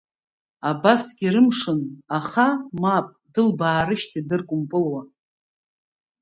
Абасгьы рымшын, аха, мап, дылбаарышьҭит дыркәымпылуа.